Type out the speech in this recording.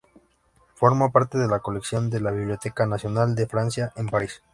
Forma parte de la colección de la Biblioteca nacional de Francia, en París.